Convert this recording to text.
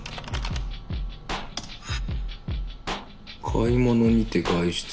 「買い物にて外出。